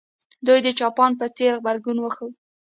دوی د جاپان په څېر غبرګون وښود.